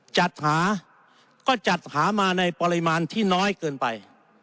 จัดหาก็จัดหามาในปริมาณที่น้อยเกินไป